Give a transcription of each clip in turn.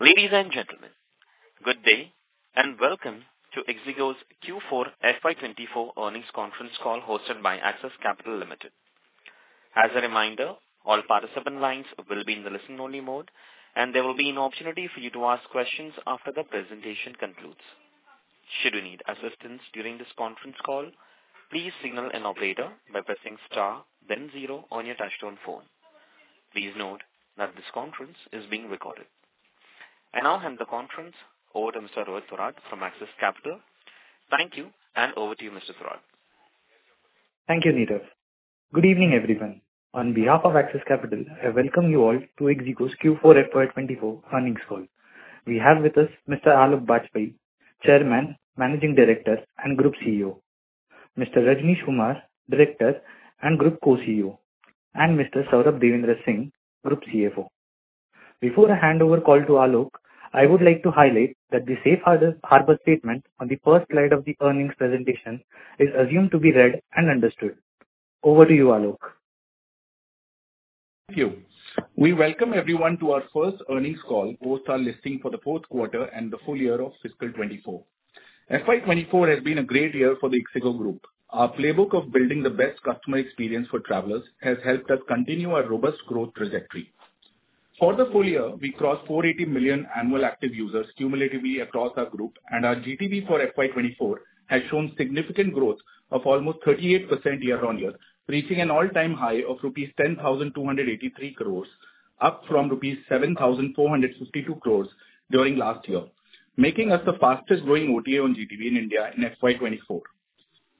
Ladies and gentlemen, good day and welcome to ixigo's Q4 FY24 earnings conference call hosted by Axis Capital Ltd. As a reminder, all participant lines will be in the listen-only mode, and there will be an opportunity for you to ask questions after the presentation concludes. Should you need assistance during this conference call, please signal an operator by pressing star, then zero on your touch-tone phone. Please note that this conference is being recorded. And now hand the conference over to Mr. Rohit Thorat from Axis Capital. Thank you, and over to you, Mr. Thorat. Thank you, Neerav. Good evening, everyone. On behalf of Axis Capital, I welcome you all to ixigo's Q4 FY24 earnings call. We have with us Mr. Aloke Bajpai, Chairman, Managing Director, and Group CEO, Mr. Rajnish Kumar, Director and Group Co-CEO, and Mr. Saurabh Devendra Singh, Group CFO. Before I hand over the call to Aloke, I would like to highlight that the safe harbor statement on the first slide of the earnings presentation is assumed to be read and understood. Over to you, Aloke. Thank you. We welcome everyone to our first earnings call, both our listing for the fourth quarter and the full year of fiscal 2024. FY24 has been a great year for the ixigo Group. Our playbook of building the best customer experience for travelers has helped us continue our robust growth trajectory. For the full year, we crossed 480 million annual active users cumulatively across our group, and our GTV for FY24 has shown significant growth of almost 38% year-on-year, reaching an all-time high of rupees 10,283 crores, up from rupees 7,452 crores during last year, making us the fastest-growing OTA on GTV in India in FY24.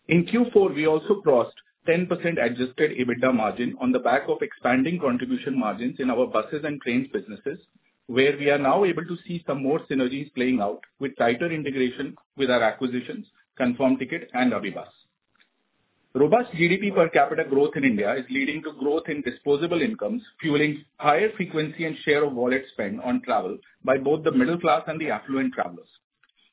In Q4, we also crossed 10% adjusted EBITDA margin on the back of expanding contribution margins in our buses and trains businesses, where we are now able to see some more synergies playing out with tighter integration with our acquisitions, ConfirmTkt, and AbhiBus. Robust GDP per capita growth in India is leading to growth in disposable incomes, fueling higher frequency and share of wallet spend on travel by both the middle class and the affluent travelers.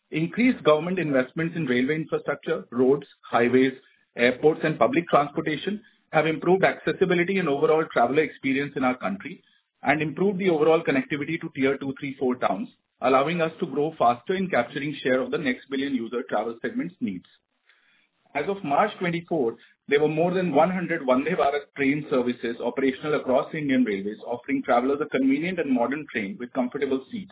Increased government investments in railway infrastructure, roads, highways, airports, and public transportation have improved accessibility and overall traveler experience in our country and improved the overall connectivity to Tier II, III, and IV towns, allowing us to grow faster in capturing share of the next billion user travel segments' needs. As of March 2024, there were more than 100 Vande Bharat train services operational across Indian Railways, offering travelers a convenient and modern train with comfortable seats.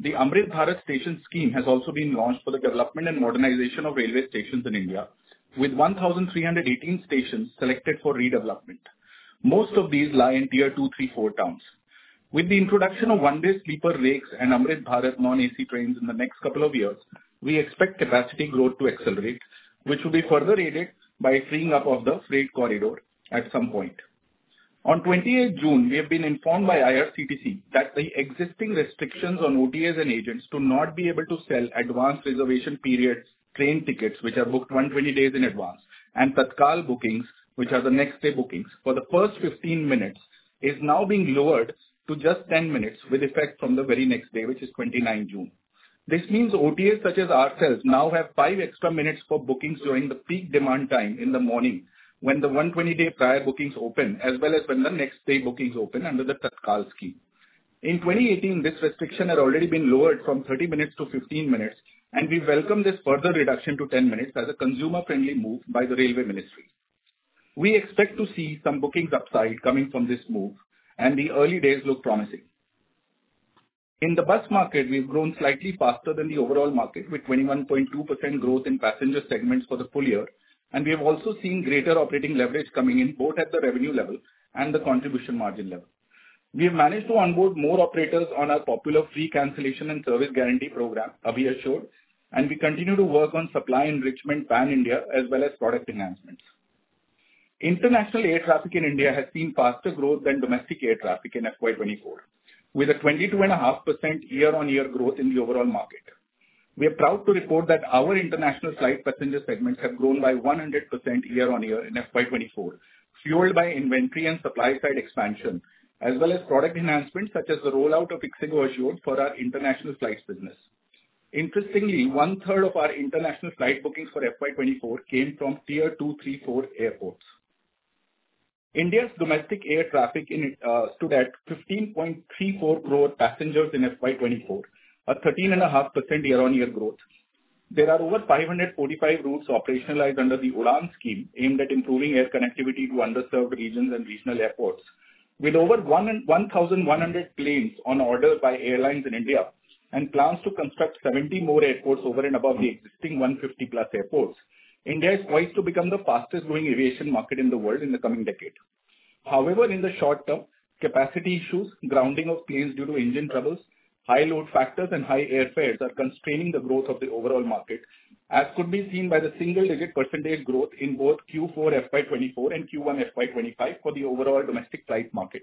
The Amrit Bharat Station scheme has also been launched for the development and modernization of railway stations in India, with 1,318 stations selected for redevelopment. Most of these lie in Tier II, III, and IV towns. With the introduction of one-way sleeper rigs and Amrit Bharat non-AC trains in the next couple of years, we expect capacity growth to accelerate, which will be further aided by freeing up of the freight corridor at some point. On 28 June, we have been informed by IRCTC that the existing restrictions on OTAs and agents to not be able to sell advance reservation period train tickets, which are booked 120 days in advance, and Tatkal bookings, which are the next-day bookings for the first 15 minutes, is now being lowered to just 10 minutes with effect from the very next day, which is 29 June. This means OTAs such as ourselves now have 5 extra minutes for bookings during the peak demand time in the morning when the 120-day prior bookings open, as well as when the next-day bookings open under the Tatkal scheme. In 2018, this restriction had already been lowered from 30 minutes to 15 minutes, and we welcome this further reduction to 10 minutes as a consumer-friendly move by the Railway Ministry. We expect to see some bookings upside coming from this move, and the early days look promising. In the bus market, we've grown slightly faster than the overall market with 21.2% growth in passenger segments for the full year, and we have also seen greater operating leverage coming in both at the revenue level and the contribution margin level. We have managed to onboard more operators on our popular free cancellation and service guarantee program, Abhi Assured, and we continue to work on supply enrichment pan-India as well as product enhancements. International air traffic in India has seen faster growth than domestic air traffic in FY2024, with a 22.5% year-on-year growth in the overall market. We are proud to report that our international flight passenger segments have grown by 100% year-on-year in FY24, fueled by inventory and supply-side expansion, as well as product enhancements such as the rollout of ixigo Assured for our international flights business. Interestingly, one-third of our international flight bookings for FY24 came from Tier II, III, and IV airports. India's domestic air traffic stood at 15.34 crore passengers in FY24, a 13.5% year-on-year growth. There are over 545 routes operationalized under the UDAN scheme aimed at improving air connectivity to underserved regions and regional airports. With over 1,100 planes on order by airlines in India and plans to construct 70 more airports over and above the existing 150-plus airports, India is poised to become the fastest-growing aviation market in the world in the coming decade. However, in the short term, capacity issues, grounding of planes due to engine troubles, high load factors, and high airfares are constraining the growth of the overall market, as could be seen by the single-digit percentage growth in both Q4 FY24 and Q1 FY25 for the overall domestic flight market.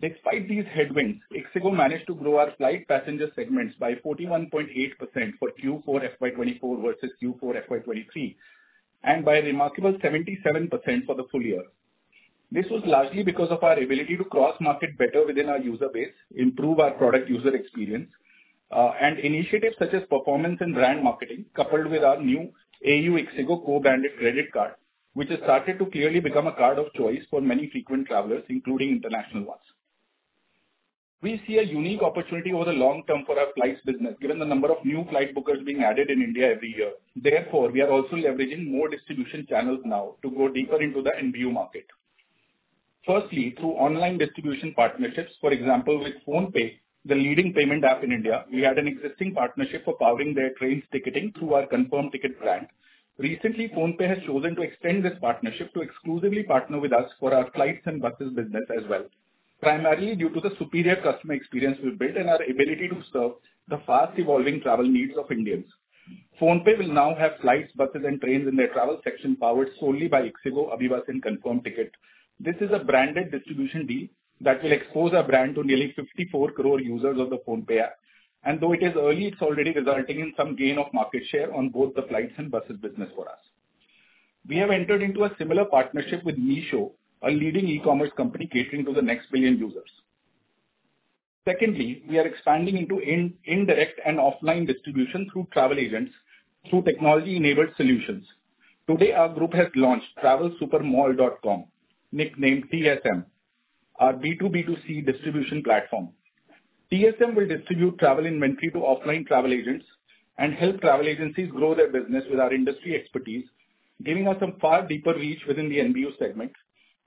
Despite these headwinds, ixigo managed to grow our flight passenger segments by 41.8% for Q4 FY24 versus Q4 FY23, and by a remarkable 77% for the full year. This was largely because of our ability to cross-market better within our user base, improve our product user experience, and initiatives such as performance and brand marketing, coupled with our new AU ixigo co-branded credit card, which has started to clearly become a card of choice for many frequent travelers, including international ones. We see a unique opportunity over the long term for our flights business, given the number of new flight bookers being added in India every year. Therefore, we are also leveraging more distribution channels now to go deeper into the NBU market. Firstly, through online distribution partnerships, for example, with PhonePe, the leading payment app in India, we had an existing partnership for powering their trains ticketing through our ConfirmTkt brand. Recently, PhonePe has chosen to extend this partnership to exclusively partner with us for our flights and buses business as well, primarily due to the superior customer experience we've built and our ability to serve the fast-evolving travel needs of Indians. PhonePe will now have flights, buses, and trains in their travel section powered solely by ixigo, AbhiBus, and ConfirmTkt. This is a branded distribution deal that will expose our brand to nearly 54 crore users of the PhonePe app, and though it is early, it's already resulting in some gain of market share on both the flights and buses business for us. We have entered into a similar partnership with Meesho, a leading e-commerce company catering to the next billion users. Secondly, we are expanding into indirect and offline distribution through travel agents through technology-enabled solutions. Today, our group has launched TravelSuperMall.com, nicknamed TSM, our B2B2C distribution platform. TSM will distribute travel inventory to offline travel agents and help travel agencies grow their business with our industry expertise, giving us a far deeper reach within the NBU segment,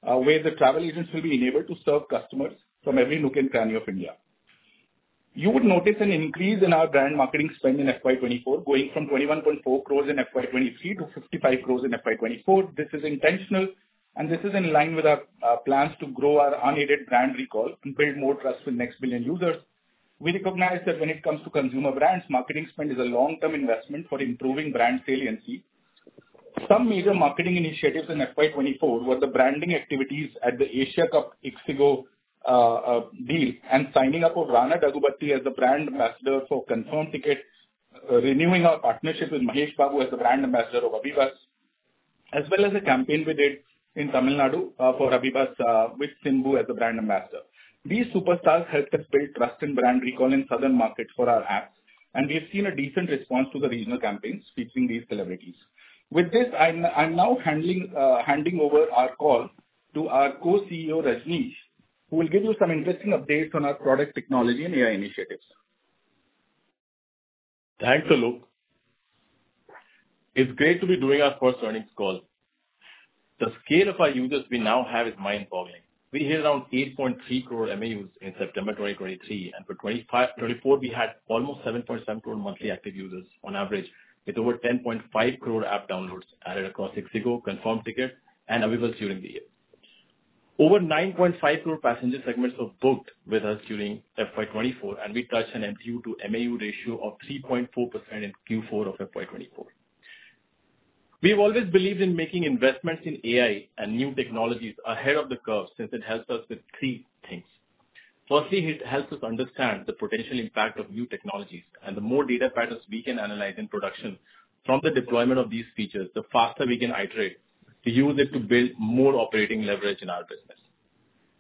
where the travel agents will be enabled to serve customers from every nook and cranny of India. You would notice an increase in our brand marketing spend in FY24, going from 21.4 crore in FY23 to 55 crore in FY24. This is intentional, and this is in line with our plans to grow our unaided brand recall and build more trust with next billion users. We recognize that when it comes to consumer brands, marketing spend is a long-term investment for improving brand saliency. Some major marketing initiatives in FY24 were the branding activities at the Asia Cup ixigo deal and signing up of Rana Daggubati as the brand ambassador for ConfirmTkt, renewing our partnership with Mahesh Babu as the brand ambassador of AbhiBus, as well as a campaign we did in Tamil Nadu for AbhiBus with Simbu as the brand ambassador. These superstars helped us build trust and brand recall in southern markets for our apps, and we have seen a decent response to the regional campaigns featuring these celebrities. With this, I'm now handing over our call to our Co-CEO, Rajnish, who will give you some interesting updates on our product technology and AI initiatives. Thanks, Aloke. It's great to be doing our first earnings call. The scale of our users we now have is mind-boggling. We hit around 8.3 crore MAUs in September 2023, and for 2024, we had almost 7.7 crore monthly active users on average, with over 10.5 crore app downloads added across ixigo, ConfirmTkt, and AbhiBus during the year. Over 9.5 crore passenger segments were booked with us during FY24, and we touched an MTU to MAU ratio of 3.4% in Q4 of FY24. We have always believed in making investments in AI and new technologies ahead of the curve since it helps us with three things. Firstly, it helps us understand the potential impact of new technologies, and the more data patterns we can analyze in production from the deployment of these features, the faster we can iterate to use it to build more operating leverage in our business.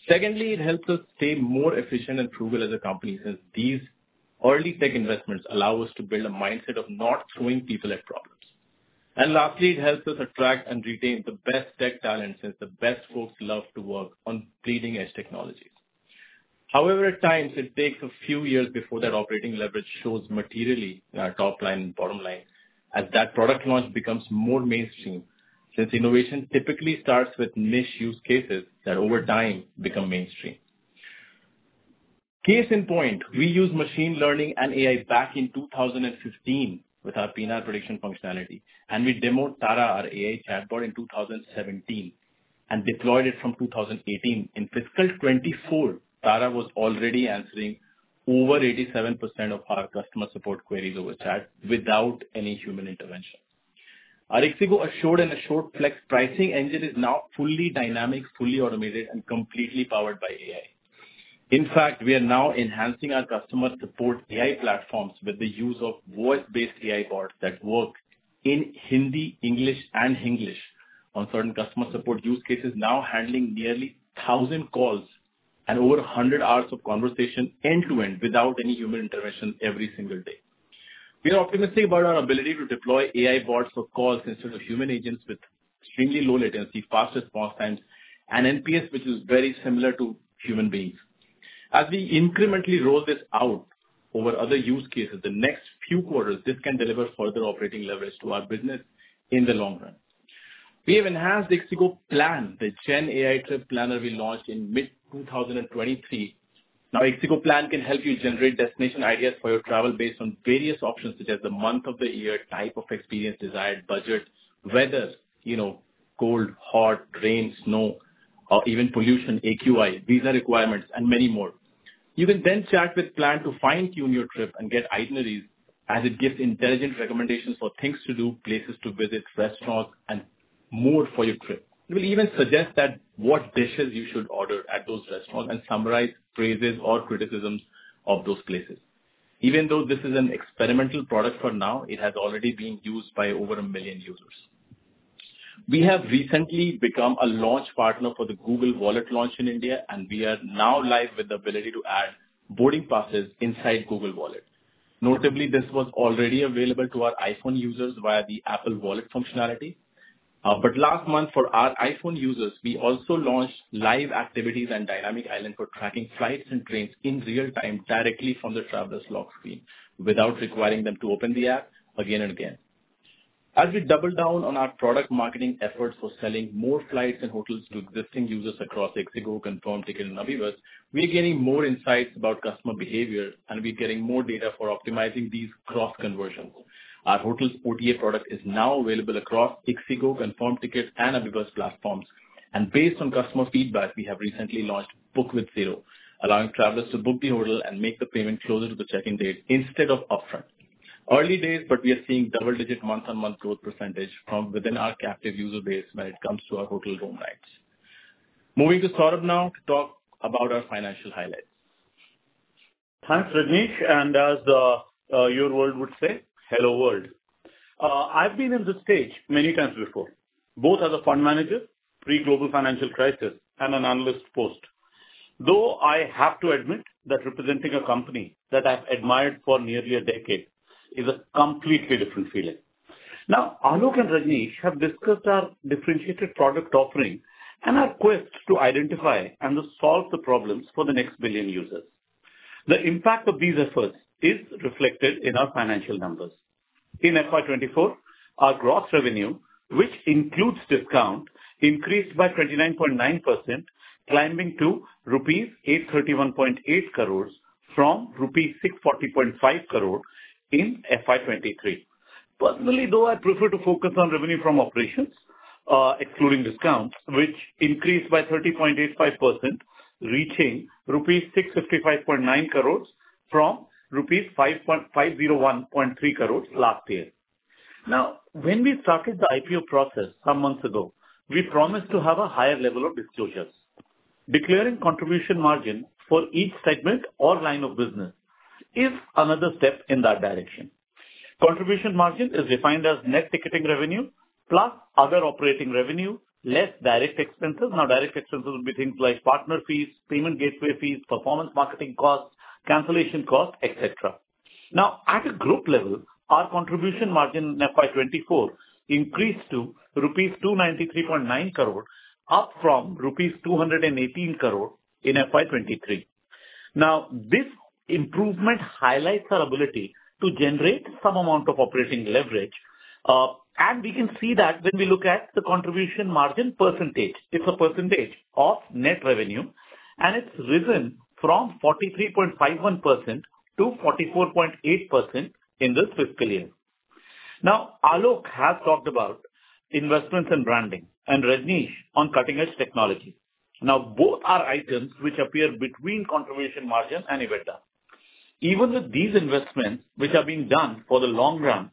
Secondly, it helps us stay more efficient and frugal as a company since these early tech investments allow us to build a mindset of not throwing people at problems. And lastly, it helps us attract and retain the best tech talent since the best folks love to work on bleeding-edge technologies. However, at times, it takes a few years before that operating leverage shows materially in our top line and bottom line as that product launch becomes more mainstream since innovation typically starts with niche use cases that over time become mainstream. Case in point, we used machine learning and AI back in 2015 with our PNR prediction functionality, and we demoed TARA, our AI chatbot, in 2017 and deployed it from 2018. In fiscal 2024, TARA was already answering over 87% of our customer support queries over chat without any human intervention. Our ixigo assured and assured flex pricing engine is now fully dynamic, fully automated, and completely powered by AI. In fact, we are now enhancing our customer support AI platforms with the use of voice-based AI bots that work in Hindi, English, and Hinglish on certain customer support use cases, now handling nearly 1,000 calls and over 100 hours of conversation end-to-end without any human intervention every single day. We are optimistic about our ability to deploy AI bots for calls instead of human agents with extremely low latency, fast response times, and NPS, which is very similar to human beings. As we incrementally roll this out over other use cases, the next few quarters, this can deliver further operating leverage to our business in the long run. We have enhanced ixigo PLAN, the GenAI trip planner we launched in mid-2023. Now, ixigo PLAN can help you generate destination ideas for your travel based on various options such as the month of the year, type of experience desired, budget, weather, cold, hot, rain, snow, or even pollution, AQI, visa requirements, and many more. You can then chat with Plan to fine-tune your trip and get itineraries as it gives intelligent recommendations for things to do, places to visit, restaurants, and more for your trip. It will even suggest what dishes you should order at those restaurants and summarize praises or criticisms of those places. Even though this is an experimental product for now, it has already been used by over a million users. We have recently become a launch partner for the Google Wallet launch in India, and we are now live with the ability to add boarding passes inside Google Wallet. Notably, this was already available to our iPhone users via the Apple Wallet functionality. But last month, for our iPhone users, we also launched Live Activities and Dynamic Island for tracking flights and trains in real time directly from the Traveler's Log screen without requiring them to open the app again and again. As we double down on our product marketing efforts for selling more flights and hotels to existing users across ixigo, ConfirmTkt, and AbhiBus, we are getting more insights about customer behavior, and we are getting more data for optimizing these cross-conversions. Our hotel's OTA product is now available across ixigo, ConfirmTkt, and AbhiBus platforms. Based on customer feedback, we have recently launched Book With Zero, allowing travelers to book the hotel and make the payment closer to the check-in date instead of upfront. Early days, but we are seeing double-digit month-on-month growth percentage from within our captive user base when it comes to our hotel room nights. Moving to Saurabh now to talk about our financial highlights. Thanks, Rajnish. As your world would say, hello, world. I've been in this stage many times before, both as a fund manager, pre-global financial crisis, and an analyst post. Though I have to admit that representing a company that I've admired for nearly a decade is a completely different feeling. Now, Aloke and Rajnish have discussed our differentiated product offering and our quest to identify and solve the problems for the next billion users. The impact of these efforts is reflected in our financial numbers. In FY24, our gross revenue, which includes discount, increased by 29.9%, climbing to rupees 831.8 crores from rupees 640.5 crore in FY23. Personally, though, I prefer to focus on revenue from operations, excluding discounts, which increased by 30.85%, reaching rupees 655.9 crores from rupees 501.3 crores last year. Now, when we started the IPO process some months ago, we promised to have a higher level of disclosures. Declaring contribution margin for each segment or line of business is another step in that direction. Contribution margin is defined as net ticketing revenue plus other operating revenue less direct expenses. Now, direct expenses would be things like partner fees, payment gateway fees, performance marketing costs, cancellation costs, etc. Now, at a group level, our contribution margin in FY24 increased to rupees 293.9 crore, up from rupees 218 crore in FY23. Now, this improvement highlights our ability to generate some amount of operating leverage, and we can see that when we look at the contribution margin percentage. It's a percentage of net revenue, and it's risen from 43.51% to 44.8% in this fiscal year. Now, Aloke has talked about investments in branding and Rajnish on cutting-edge technology. Now, both are items which appear between contribution margin and EBITDA. Even with these investments which are being done for the long run,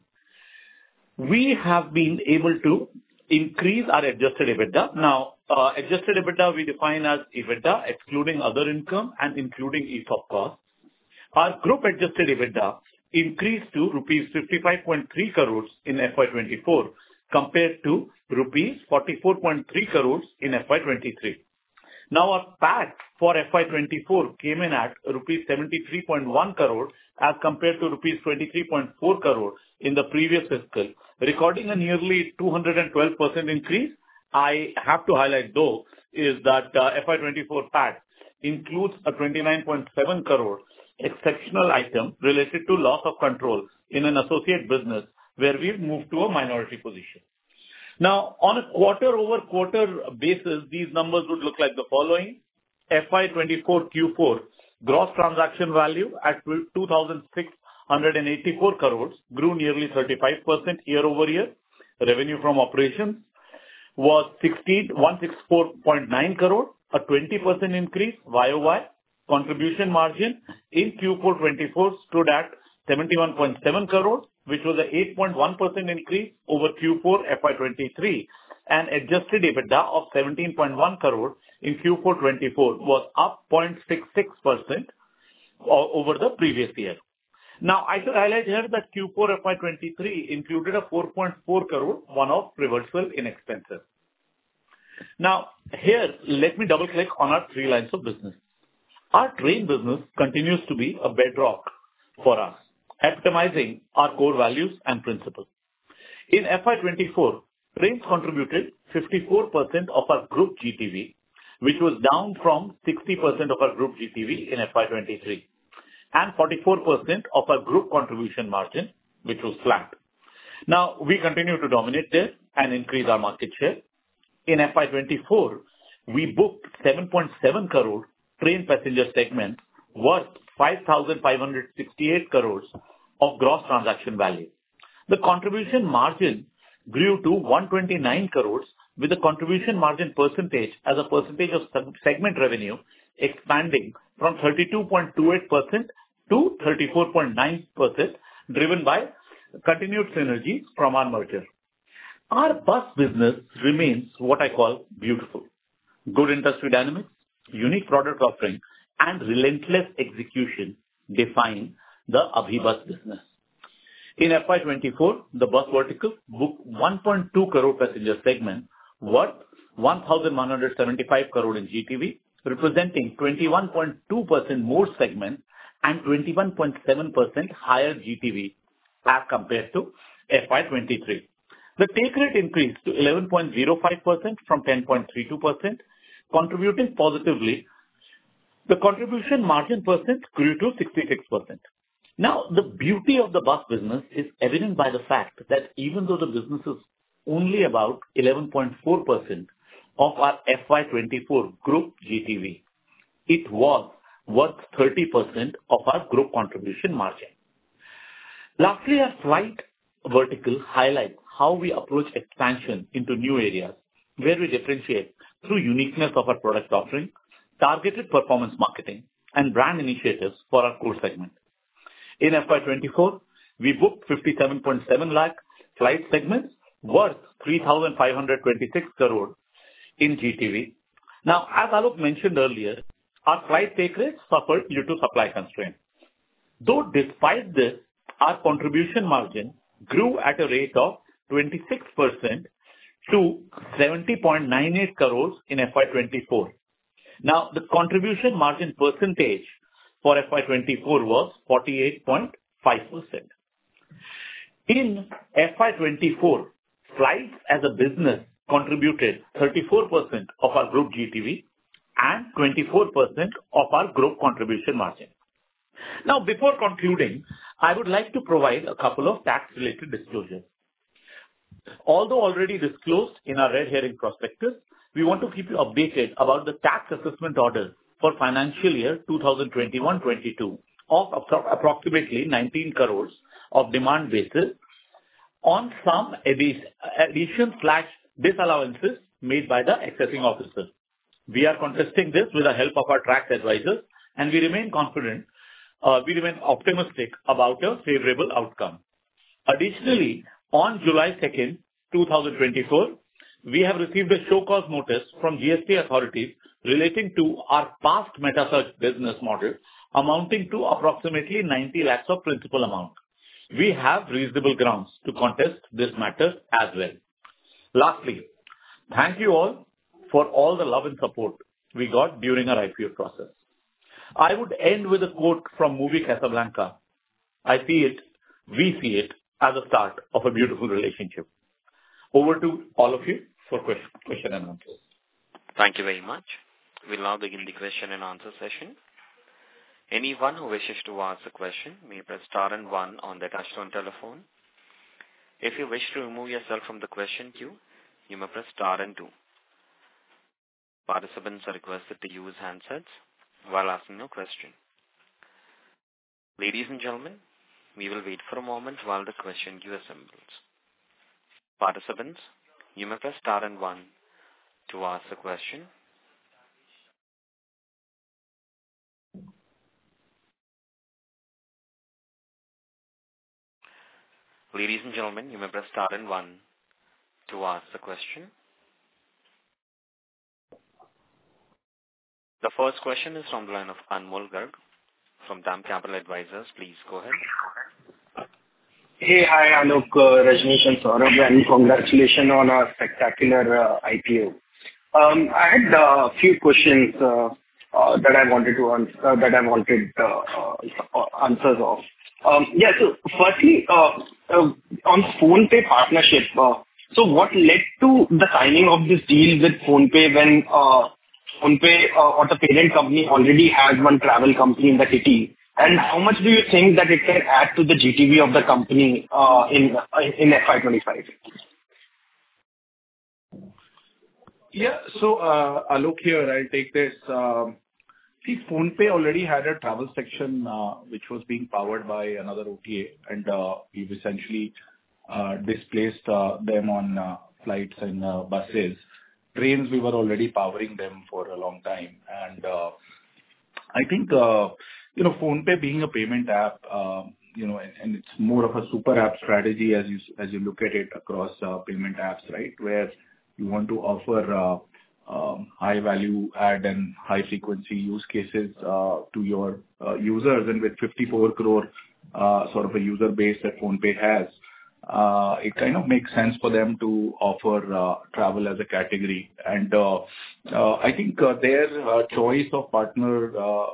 we have been able to increase our adjusted EBITDA. Now, adjusted EBITDA we define as EBITDA excluding other income and including ESOP costs. Our group adjusted EBITDA increased to rupees 55.3 crores in FY24 compared to rupees 44.3 crores in FY23. Now, our PAT for FY24 came in at rupees 73.1 crore as compared to rupees 23.4 crore in the previous fiscal, recording a nearly 212% increase. I have to highlight, though, that FY24 PAT includes a 29.7 crore exceptional item related to loss of control in an associate business where we've moved to a minority position. Now, on a quarter-over-quarter basis, these numbers would look like the following. FY24 Q4 gross transaction value at 2,684 crores grew nearly 35% year-over-year. Revenue from operations was 164.9 crore, a 20% increase. YOY Contribution Margin in Q4 2024 stood at 71.7 crore, which was an 8.1% increase over Q4 FY 2023, and Adjusted EBITDA of 17.1 crore in Q4 2024 was up 0.66% over the previous year. Now, I should highlight here that Q4 FY 2023 included a 4.4 crore one-off reversal in expenses. Now, here, let me double-click on our three lines of business. Our train business continues to be a bedrock for us, epitomizing our core values and principles. In FY 2024, trains contributed 54% of our group GTV, which was down from 60% of our group GTV in FY 2023, and 44% of our group Contribution Margin, which was flat. Now, we continue to dominate this and increase our market share. In FY 2024, we booked 7.7 crore train Passenger Segment, worth 5,568 crores of Gross Transaction Value. The contribution margin grew to 129 crore, with the contribution margin percentage as a percentage of segment revenue expanding from 32.28%-34.9%, driven by continued synergy from our merger. Our bus business remains what I call beautiful. Good industry dynamics, unique product offering, and relentless execution define the AbhiBus business. In FY24, the bus vertical booked 1.2 crore passenger segment, worth 1,175 crore in GTV, representing 21.2% more segment and 21.7% higher GTV as compared to FY23. The take-rate increased to 11.05% from 10.32%, contributing positively. The contribution margin percent grew to 66%. Now, the beauty of the bus business is evident by the fact that even though the business is only about 11.4% of our FY24 group GTV, it was worth 30% of our group contribution margin. Lastly, our flight vertical highlights how we approach expansion into new areas, where we differentiate through uniqueness of our product offering, targeted performance marketing, and brand initiatives for our core segment. In FY24, we booked 57.7 lakh flight segments, worth 3,526 crore in GTV. Now, as Aloke mentioned earlier, our flight take-rate suffered due to supply constraints. Though despite this, our contribution margin grew at a rate of 26% to 70.98 crore in FY24. Now, the contribution margin percentage for FY24 was 48.5%. In FY24, flights as a business contributed 34% of our group GTV and 24% of our group contribution margin. Now, before concluding, I would like to provide a couple of tax-related disclosures. Although already disclosed in our red herring prospectus, we want to keep you updated about the tax assessment order for financial year 2021-22 of approximately 19 crore of demand basis on some additions/disallowances made by the assessing officers. We are contesting this with the help of our tax advisors, and we remain confident. We remain optimistic about a favorable outcome. Additionally, on July 2, 2024, we have received a show cause notice from GST authorities relating to our past Metasearch business model amounting to approximately 90 lakh of principal amount. We have reasonable grounds to contest this matter as well. Lastly, thank you all for all the love and support we got during our IPO process. I would end with a quote from movie Casablanca. I see it. We see it as a start of a beautiful relationship. Over to all of you for question and answers. Thank you very much. We'll now begin the question and answer session. Anyone who wishes to ask a question may press star and one on the touch-tone telephone. If you wish to remove yourself from the question queue, you may press star and two. Participants are requested to use handsets while asking a question. Ladies and gentlemen, we will wait for a moment while the question queue assembles. Participants, you may press star and one to ask a question. Ladies and gentlemen, you may press star and one to ask a question. The first question is from the line of Anmol Garg from DAM Capital Advisors. Please go ahead. Hey, hi, Anmol, Rajnish, and Saurabh, and congratulations on our spectacular IPO. I had a few questions that I wanted answers to. Yes, so firstly, on PhonePe partnership, so what led to the signing of this deal with PhonePe when PhonePe or the parent company already has one travel company in its kitty? And how much do you think that it can add to the GTV of the company in FY25? Yeah, so Aloke here, I'll take this. See, PhonePe already had a travel section which was being powered by another OTA, and we've essentially displaced them on flights and buses. Trains, we were already powering them for a long time. And I think PhonePe being a payment app, and it's more of a super app strategy as you look at it across payment apps, right, where you want to offer high-value add and high-frequency use cases to your users. And with 54 crore sort of a user base that PhonePe has, it kind of makes sense for them to offer travel as a category. And I think their choice of partner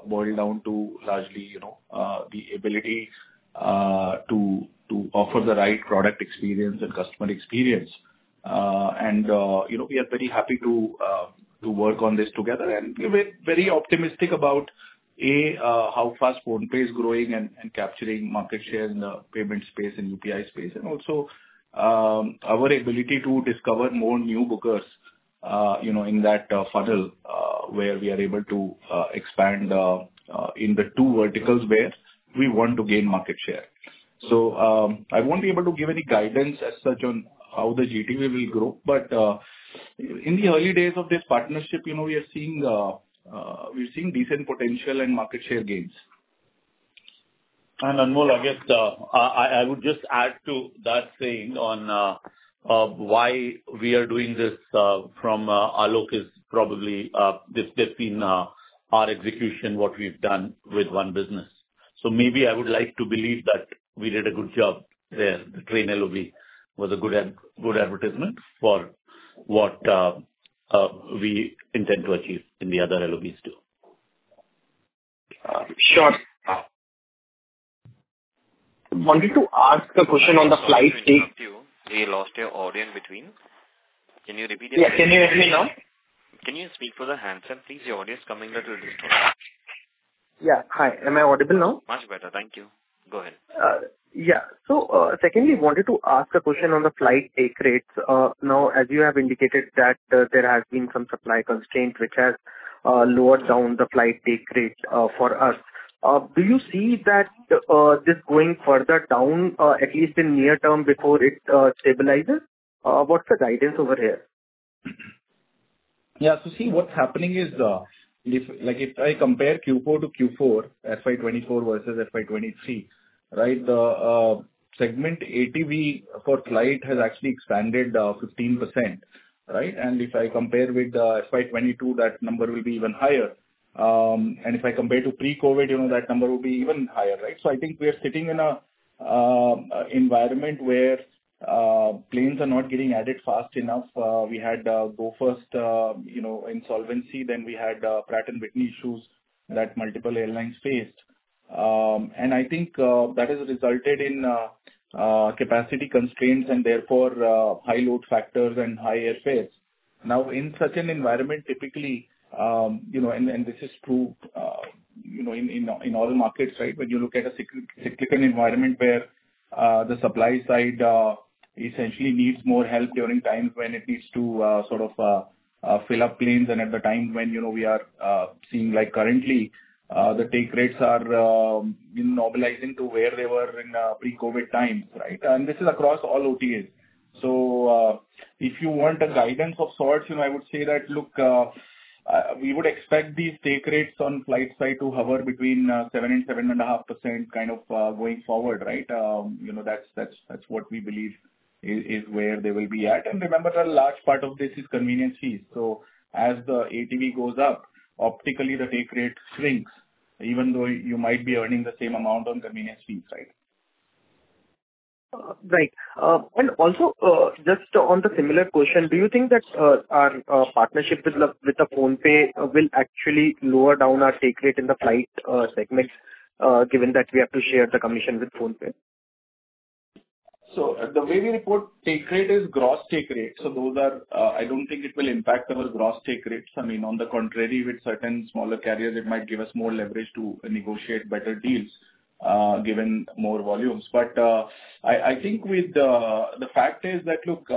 boiled down to largely the ability to offer the right product experience and customer experience. And we are very happy to work on this together. We're very optimistic about, A, how fast PhonePe is growing and capturing market share in the payment space and UPI space, and also our ability to discover more new bookers in that funnel where we are able to expand in the two verticals where we want to gain market share. I won't be able to give any guidance as such on how the GTV will grow, but in the early days of this partnership, we are seeing decent potential and market share gains. Anmol, I guess I would just add to that saying on why we are doing this from Aloke is probably depending on our execution, what we've done with one business. Maybe I would like to believe that we did a good job there. The train LOV was a good advertisement for what we intend to achieve in the other LOVs too. Sure. Wanted to ask a question on the flight. Thank you. We lost your audio in between. Can you repeat it? Yeah. Can you hear me now? Can you speak for the handset, please? Your audio is coming a little distorted. Yeah. Hi. Am I audible now? Much better. Thank you. Go ahead. Yeah. So secondly, I wanted to ask a question on the flight take rates. Now, as you have indicated that there has been some supply constraint which has lowered down the flight take rate for us. Do you see that this going further down, at least in near term, before it stabilizes? What's the guidance over here? Yeah. So see, what's happening is if I compare Q4 to Q4, FY24 versus FY23, right, the segment ATV for flight has actually expanded 15%, right? And if I compare with FY22, that number will be even higher. And if I compare to pre-COVID, that number will be even higher, right? So I think we are sitting in an environment where planes are not getting added fast enough. We had Go First insolvency, then we had Pratt & Whitney issues that multiple airlines faced. And I think that has resulted in capacity constraints and therefore high load factors and high airfares. Now, in such an environment, typically, and this is true in all markets, right, when you look at a cyclical environment where the supply side essentially needs more help during times when it needs to sort of fill up planes and at the time when we are seeing currently the take rates are normalizing to where they were in pre-COVID times, right? And this is across all OTAs. So if you want a guidance of sorts, I would say that, look, we would expect these take rates on flight side to hover between 7%-7.5% kind of going forward, right? That's what we believe is where they will be at. And remember, a large part of this is convenience fees. So as the ATV goes up, optically, the take rate shrinks, even though you might be earning the same amount on convenience fees, right? Right. And also, just on the similar question, do you think that our partnership with the PhonePe will actually lower down our take rate in the flight segment, given that we have to share the commission with PhonePe? So the way we report take rate is gross take rate. So I don't think it will impact our gross take rates. I mean, on the contrary, with certain smaller carriers, it might give us more leverage to negotiate better deals given more volumes. But I think the fact is that, look,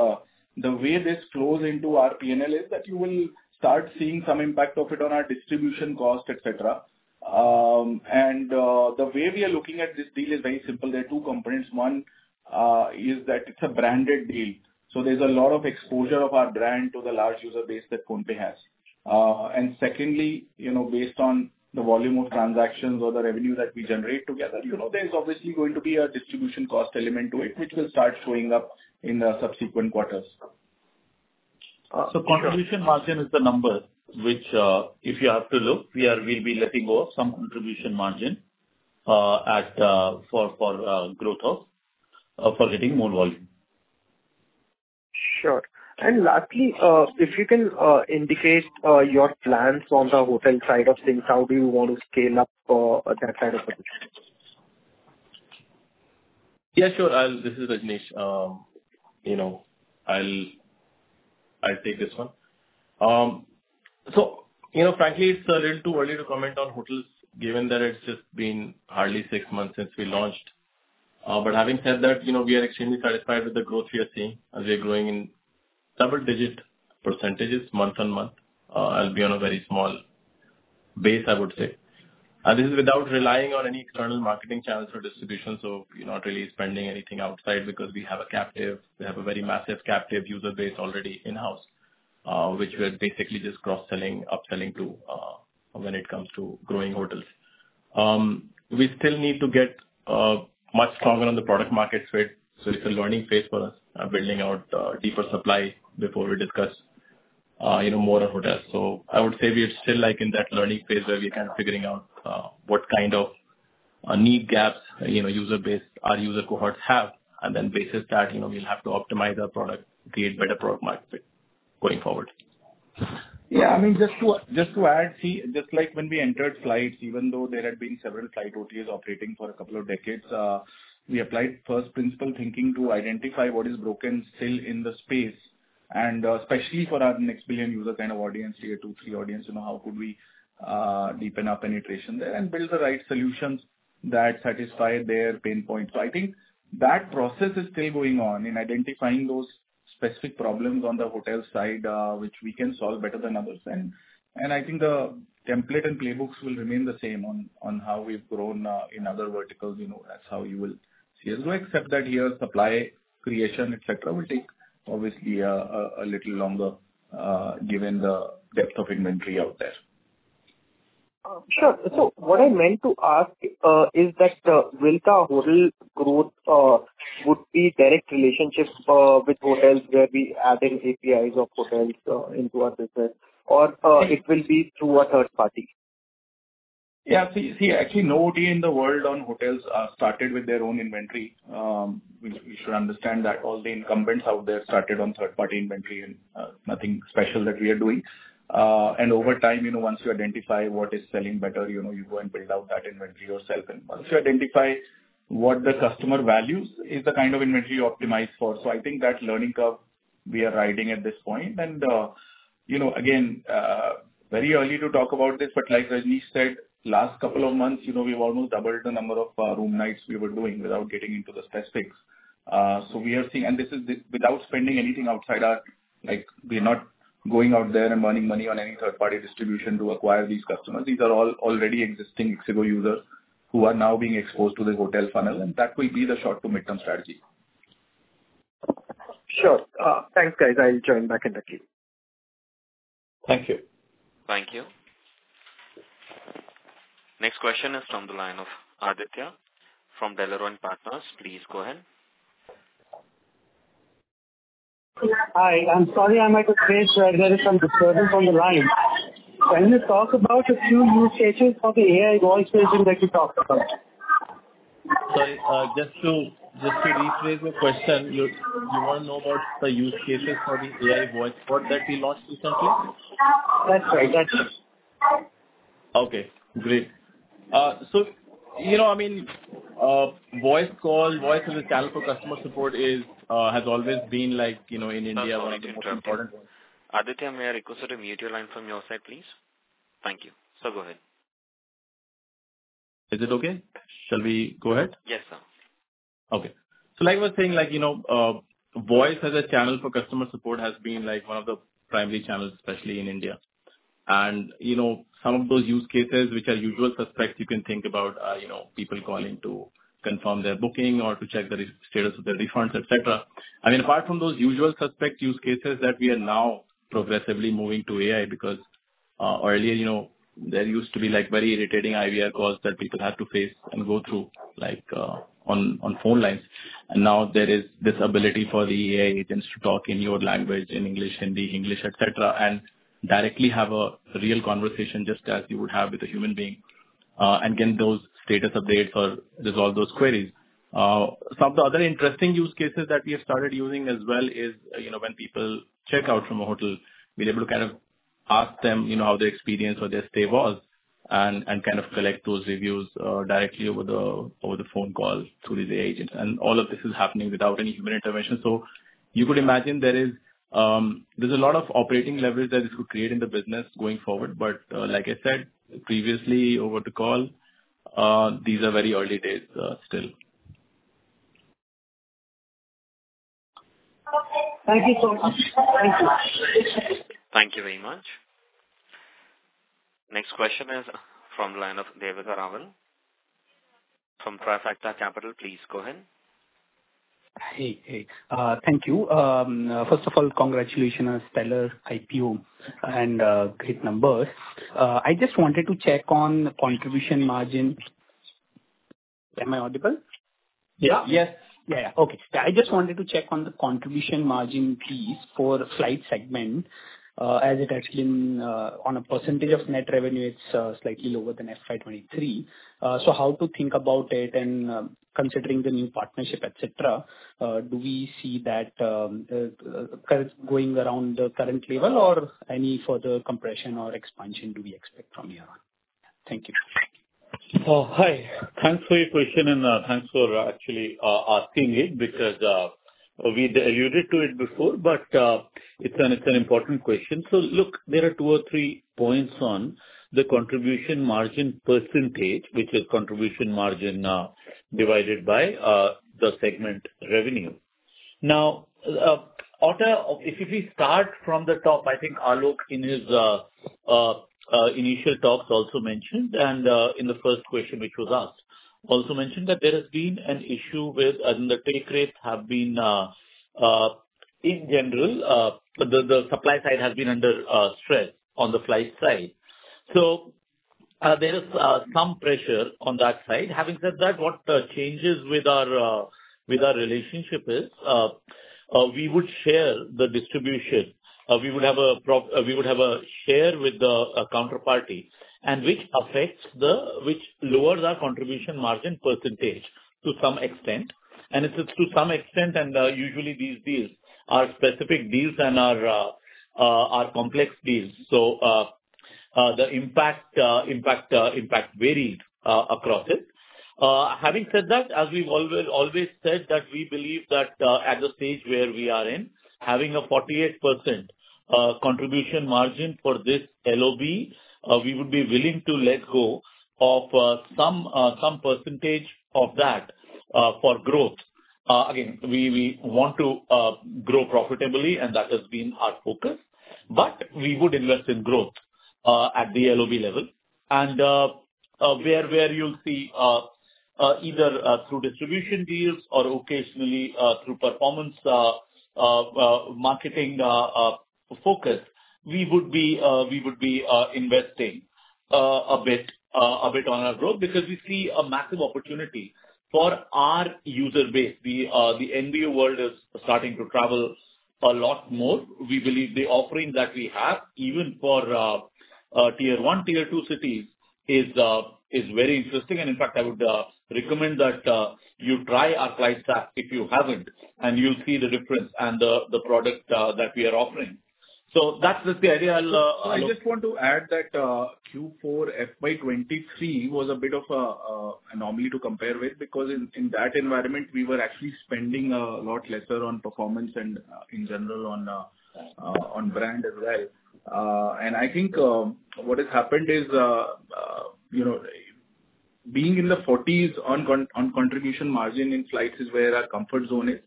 the way this flows into our P&L is that you will start seeing some impact of it on our distribution cost, etc. And the way we are looking at this deal is very simple. There are two components. One is that it's a branded deal. So there's a lot of exposure of our brand to the large user base that PhonePe has. And secondly, based on the volume of transactions or the revenue that we generate together, there's obviously going to be a distribution cost element to it, which will start showing up in the subsequent quarters. So, Contribution Margin is the number which, if you have to look, we will be letting go of some Contribution Margin for growth of for getting more volume. Sure. And lastly, if you can indicate your plans on the hotel side of things, how do you want to scale up that kind of a business? Yeah, sure. This is Rajnish. I'll take this one. So frankly, it's a little too early to comment on hotels, given that it's just been hardly six months since we launched. But having said that, we are extremely satisfied with the growth we are seeing as we are growing in double-digit percentages month-on-month. It'll be on a very small base, I would say. And this is without relying on any external marketing channels or distributions. So we're not really spending anything outside because we have a captive; we have a very massive captive user base already in-house, which we are basically just cross-selling, upselling to when it comes to growing hotels. We still need to get much stronger on the product market space. So it's a learning phase for us, building out deeper supply before we discuss more hotels. I would say we are still in that learning phase where we are kind of figuring out what kind of need gaps our user cohorts have, and then based on that, we'll have to optimize our product, create better product market going forward. Yeah. I mean, just to add, see, just like when we entered flights, even though there had been several flight OTAs operating for a couple of decades, we applied first principle thinking to identify what is broken still in the space, and especially for our next billion user kind of audience, Tier II, III audience, how could we deepen our penetration there and build the right solutions that satisfy their pain points. So I think that process is still going on in identifying those specific problems on the hotel side, which we can solve better than others. And I think the template and playbooks will remain the same on how we've grown in other verticals. That's how you will see as well, except that here supply creation, etc., will take obviously a little longer given the depth of inventory out there. Sure. What I meant to ask is that will the hotel growth would be direct relationship with hotels where we add in APIs of hotels into our business, or it will be through a third party? Yeah. See, actually, no OTA in the world on hotels started with their own inventory. We should understand that all the incumbents out there started on third-party inventory and nothing special that we are doing. And over time, once you identify what is selling better, you go and build out that inventory yourself. And once you identify what the customer values is the kind of inventory you optimize for. So I think that learning curve we are riding at this point. And again, very early to talk about this, but like Rajnish said, last couple of months, we've almost doubled the number of room nights we were doing without getting into the specifics. So we are seeing, and this is without spending anything outside our we're not going out there and burning money on any third-party distribution to acquire these customers. These are all already existing ixigo users who are now being exposed to the hotel funnel, and that will be the short-to-mid-term strategy. Sure. Thanks, guys. I'll join back in a few. Thank you. Thank you. Next question is from the line of Aditya from DeLorean Partners. Please go ahead. Hi. I'm sorry, I might have missed. There is some disturbance on the line. Can you talk about a few use cases for the AI voice version that you talked about? Sorry. Just to rephrase the question, you want to know about the use cases for the AI voice bot that we launched recently? That's right. Okay. Great. So I mean, voice call, voice as a channel for customer support has always been in India one of the most important. Aditya, may I request a muted line from your side, please? Thank you. So go ahead. Is it okay? Shall we go ahead? Yes, sir. Okay. So like I was saying, voice as a channel for customer support has been one of the primary channels, especially in India. Some of those use cases, which are usual suspects, you can think about people calling to confirm their booking or to check the status of their refunds, etc. I mean, apart from those usual suspect use cases that we are now progressively moving to AI because earlier, there used to be very irritating IVR calls that people had to face and go through on phone lines. Now there is this ability for the AI agents to talk in your language, in English, Hindi, English, etc., and directly have a real conversation just as you would have with a human being and get those status updates or resolve those queries. Some of the other interesting use cases that we have started using as well is when people check out from a hotel, we're able to kind of ask them how their experience or their stay was and kind of collect those reviews directly over the phone call through these AI agents. And all of this is happening without any human intervention. So you could imagine there is a lot of operating leverage that this could create in the business going forward. But like I said previously over the call, these are very early days still. Thank you so much. Thank you. Thank you very much. Next question is from the line of Devika Raval from Perpetuity Ventures. Please go ahead. Hey. Thank you. First of all, congratulations on stellar IPO and great numbers. I just wanted to check on the contribution margin. Am I audible? Yeah. Yes. Yeah. Yeah. Okay. I just wanted to check on the contribution margin, please, for flight segment. As it has been on a percentage of net revenue, it's slightly lower than FY23. So how to think about it and considering the new partnership, etc., do we see that going around the current level or any further compression or expansion do we expect from here on? Thank you. Hi. Thanks for your question and thanks for actually asking it because we alluded to it before, but it's an important question. So look, there are two or three points on the contribution margin percentage, which is contribution margin divided by the segment revenue. Now, if we start from the top, I think Aloke in his initial talks also mentioned, and in the first question which was asked, also mentioned that there has been an issue with the take rates have been in general, the supply side has been under stress on the flight side. So there is some pressure on that side. Having said that, what changes with our relationship is we would share the distribution. We would have a share with the counterparty, which lowers our contribution margin percentage to some extent. It is to some extent, and usually these deals are specific deals and are complex deals. So the impact varied across it. Having said that, as we've always said, that we believe that at the stage where we are in, having a 48% contribution margin for this LOB, we would be willing to let go of some percentage of that for growth. Again, we want to grow profitably, and that has been our focus. But we would invest in growth at the LOB level. And where you'll see either through distribution deals or occasionally through performance marketing focus, we would be investing a bit on our growth because we see a massive opportunity for our user base. The NBU world is starting to travel a lot more. We believe the offering that we have, even for Tier I, Tier II cities, is very interesting. In fact, I would recommend that you try our flight staff if you haven't, and you'll see the difference and the product that we are offering. So that's the idea. I just want to add that Q4 FY23 was a bit of an anomaly to compare with because in that environment, we were actually spending a lot lesser on performance and in general on brand as well. And I think what has happened is being in the 40s on contribution margin in flights is where our comfort zone is.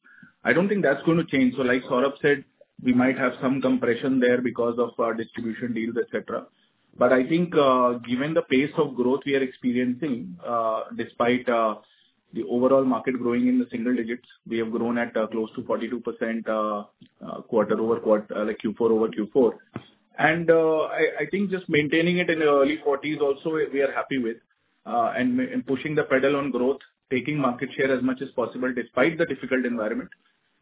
I don't think that's going to change. So like Saurabh said, we might have some compression there because of our distribution deals, etc. But I think given the pace of growth we are experiencing, despite the overall market growing in the single digits, we have grown at close to 42% quarter-over-quarter, Q4 over Q4. I think just maintaining it in the early 40s also we are happy with and pushing the pedal on growth, taking market share as much as possible despite the difficult environment.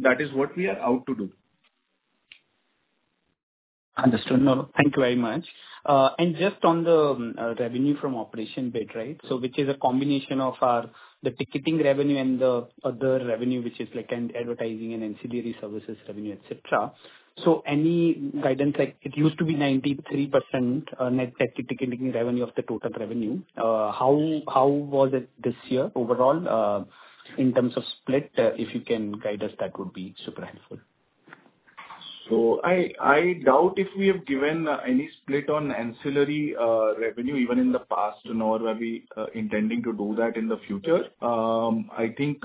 That is what we are out to do. Understood. Thank you very much. And just on the revenue from operations bit, right? So which is a combination of the ticketing revenue and the other revenue, which is like advertising and ancillary services revenue, etc. So any guidance like it used to be 93% net ticketing revenue of the total revenue. How was it this year overall in terms of split? If you can guide us, that would be super helpful. So I doubt if we have given any split on ancillary revenue even in the past nor are we intending to do that in the future. I think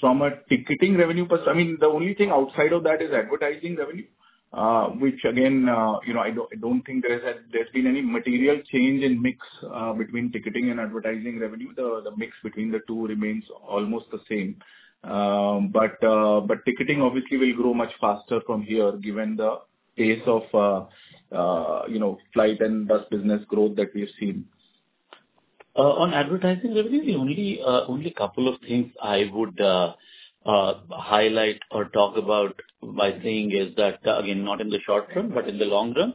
from a ticketing revenue perspective, I mean, the only thing outside of that is advertising revenue, which again, I don't think there's been any material change in mix between ticketing and advertising revenue. The mix between the two remains almost the same. But ticketing obviously will grow much faster from here given the pace of flight and bus business growth that we have seen. On advertising revenue, the only couple of things I would highlight or talk about by saying is that, again, not in the short term, but in the long term.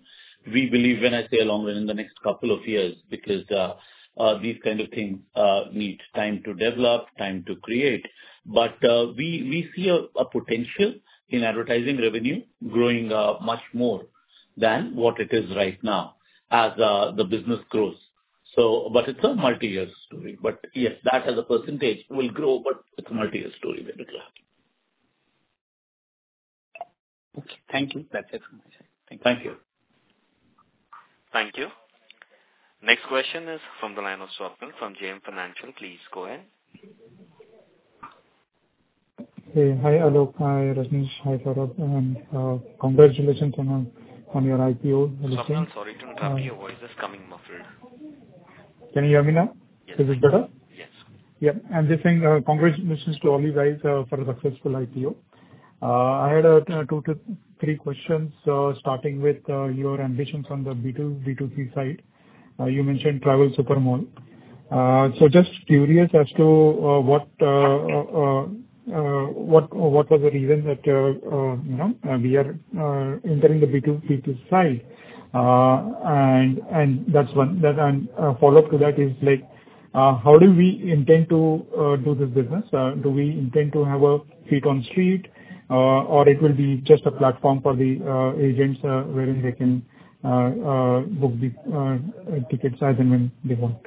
We believe when I say long term, in the next couple of years because these kind of things need time to develop, time to create. But we see a potential in advertising revenue growing much more than what it is right now as the business grows. But it's a multi-year story. But yes, that as a percentage will grow, but it's a multi-year story where it will happen. Okay. Thank you. That's it from my side. Thank you. Thank you. Thank you. Next question is from the line of Swapnil from JM Financial. Please go ahead. Hey. Hi, Aloke. Hi, Rajnish. Hi, Saurabh. Congratulations on your IPO. Saurabh, I'm sorry to interrupt you. Your voice is coming muffled. Can you hear me now? Yes. Is it better? Yes. Yep. And just saying congratulations to all you guys for a successful IPO. I had two to three questions starting with your ambitions on the B2B2C side. You mentioned TravelSuperMall. So just curious as to what was the reason that we are entering the B2B2C side. And that's one. And a follow-up to that is how do we intend to do this business? Do we intend to have feet on the street, or it will be just a platform for the agents wherein they can book the tickets as and when they want?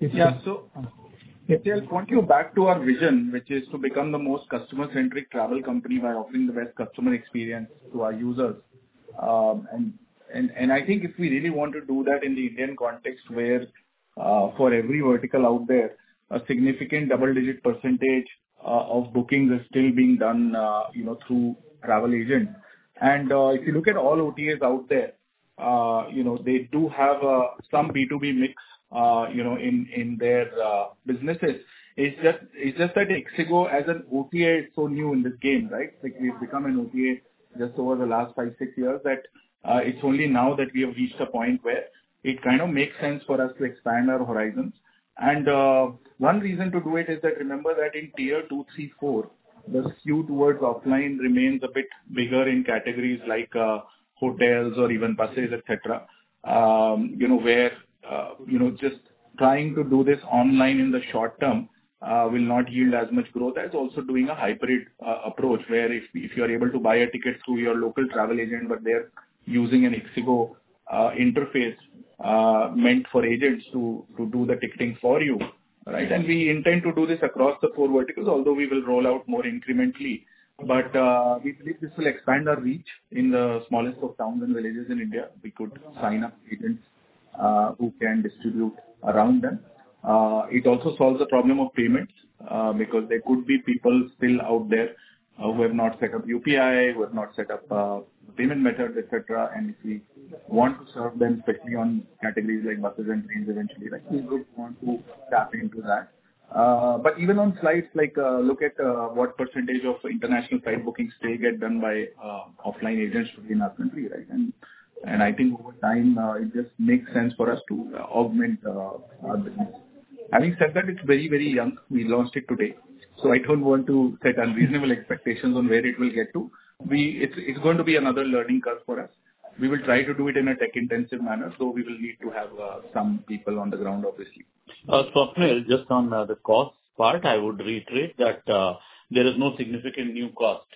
Yes. Yeah. So I'll point you back to our vision, which is to become the most customer-centric travel company by offering the best customer experience to our users. And I think if we really want to do that in the Indian context where for every vertical out there, a significant double-digit % of bookings are still being done through travel agents. And if you look at all OTAs out there, they do have some B2B mix in their businesses. It's just that ixigo as an OTA is so new in this game, right? We've become an OTA just over the last 5, 6 years that it's only now that we have reached a point where it kind of makes sense for us to expand our horizons. One reason to do it is that remember that in Tier III, III, IV, the skew towards offline remains a bit bigger in categories like hotels or even buses, etc., where just trying to do this online in the short term will not yield as much growth as also doing a hybrid approach where if you are able to buy a ticket through your local travel agent, but they're using an ixigo interface meant for agents to do the ticketing for you, right? We intend to do this across the four verticals, although we will roll out more incrementally. We believe this will expand our reach in the smallest of towns and villages in India. We could sign up agents who can distribute around them. It also solves the problem of payments because there could be people still out there who have not set up UPI, who have not set up payment method, etc. And if we want to serve them, especially on categories like buses and trains eventually, right, we would want to tap into that. But even on flights, look at what percentage of international flight bookings still get done by offline agents within our country, right? And I think over time, it just makes sense for us to augment our business. Having said that, it's very, very young. We launched it today. So I don't want to set unreasonable expectations on where it will get to. It's going to be another learning curve for us. We will try to do it in a tech-intensive manner. So we will need to have some people on the ground, obviously. Saurabh, just on the cost part, I would reiterate that there is no significant new cost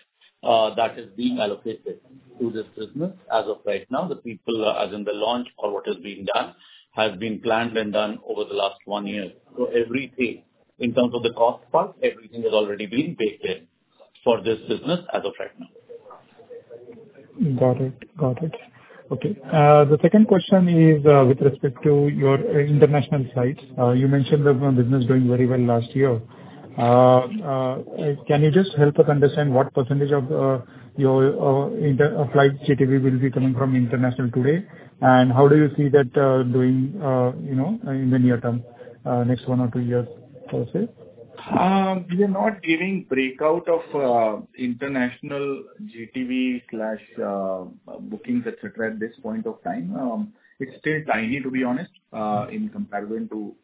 that is being allocated to this business as of right now. The people, as in the launch or what has been done, has been planned and done over the last one year. So everything in terms of the cost part, everything has already been baked in for this business as of right now. Got it. Got it. Okay. The second question is with respect to your international flights. You mentioned the business doing very well last year. Can you just help us understand what percentage of your flight GTV will be coming from international today? And how do you see that doing in the near term, next one or two years, per se? We are not giving breakout of international GTV/bookings, etc., at this point of time. It's still tiny, to be honest, in comparison to